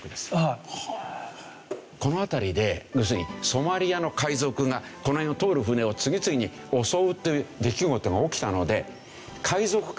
この辺りで要するにソマリアの海賊がこの辺を通る船を次々に襲うという出来事が起きたので。